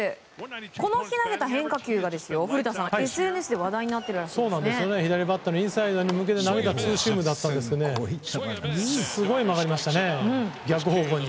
この日投げた変化球が古田さん、ＳＮＳで左バッターのインハイに投げたツーシームだったんですがすごい曲がりましたね、逆方向に。